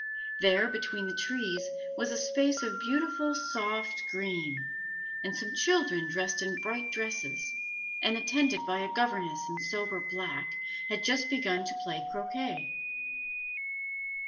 There, between the trees, was a space of beautiful soft green; and some children dressed in bright dresses, and attended by a governess in sober black, had just begun to play croquet.